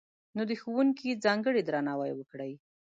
نو، د ښوونکي ځانګړی درناوی وکړئ!